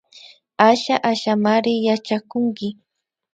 Asha Ashamari yachakunki